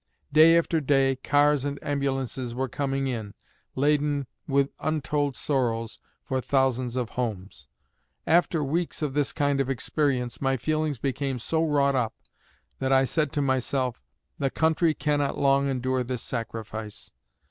Day after day cars and ambulances were coming in, laden with untold sorrows for thousands of homes. After weeks of this kind of experience my feelings became so wrought up that I said to myself: The country cannot long endure this sacrifice.